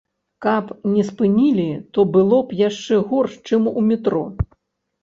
Каб не спынілі, то было б яшчэ горш, чым у метро.